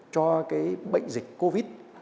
cho cái bệnh dịch covid